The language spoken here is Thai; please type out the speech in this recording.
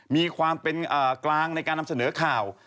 มีความเป็นกลางในการนำเสนอข่าว